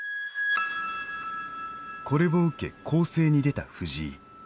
これを受け攻勢に出た藤井。